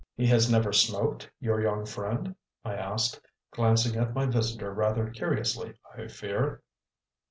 "He has never smoked, your young friend?" I asked, glancing at my visitor rather curiously, I fear.